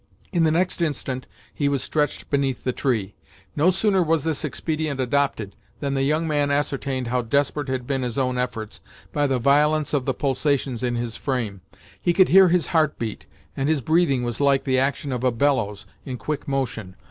In the next instant he was stretched beneath the tree. No sooner was this expedient adopted, than the young man ascertained how desperate had been his own efforts, by the violence of the pulsations in his frame. He could hear his heart beat, and his breathing was like the action of a bellows, in quick motion.